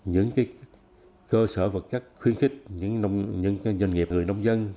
những cái cơ sở vật chất khuyến khích những cái doanh nghiệp người nông dân